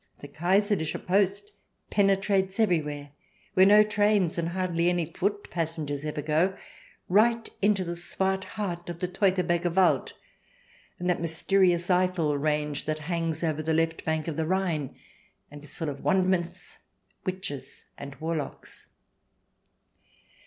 The Kaiserliche Post pene trates everywhere, where no trains and hardly any foot passengers ever go, right into the swart heart of the Teutobergerwald and that mysterious Eiffel range that hangs over the left bank of the Rhine, and is full of wonderments, witches, and warlocks.